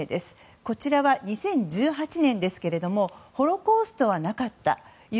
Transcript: こちらは２０１８年ですがホロコーストはなかった。